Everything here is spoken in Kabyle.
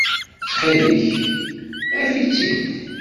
Ttxil-k, af-itt-id.